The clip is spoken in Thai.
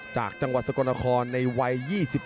จากจังหวัดสกลนครในวัย๒๗